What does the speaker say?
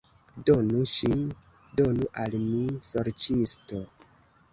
Donu ŝin, donu al mi, sorĉisto!